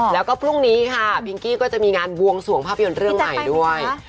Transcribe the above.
แล้วก็พรุ่งนี้ค่ะพิงกี้ก็จะมีงานบวงสวงภาพยนตร์เรื่องใหม่ด้วย